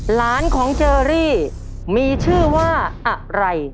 หลานของเจอรี่มีชื่อว่าอะไร